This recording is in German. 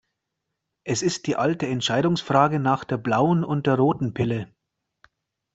Es ist die alte Entscheidungsfrage nach der blauen und der roten Pille.